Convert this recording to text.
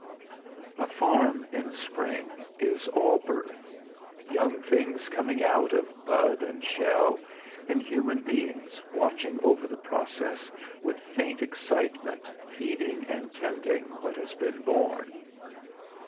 A farm in spring is all birth young things coming out of bud and shell, and human beings watching over the process with faint excitement feeding and tending what has been born.